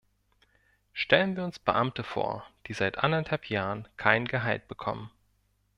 Stellen wir uns Beamte vor, die seit anderthalb Jahren kein Gehalt bekommen.